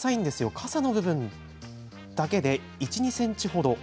かさの部分だけで１、２ｃｍほど。